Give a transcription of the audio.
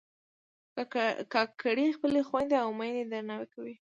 کاکړي خپلې خویندې او میندې درناوي کوي.